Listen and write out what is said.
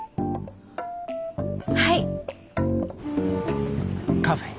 はい！